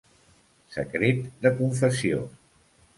Secret de confessió.